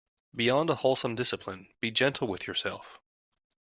Beyond a wholesome discipline, be gentle with yourself.